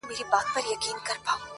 زه به د درد يوه بې درده فلسفه بيان کړم.